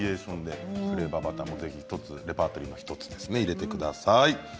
フレーバーバターもレパートリーの１つに入れてください。